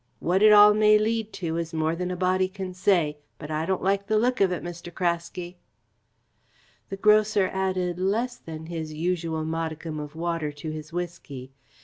"What it all may lead to is more than a body can say, but I don't like the look of it, Mr. Craske." The grocer added less than his usual modicum of water to his whisky.